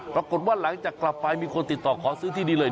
ปรากฏว่าหลังจากกลับไปมีคนติดต่อขอซื้อที่นี่เลย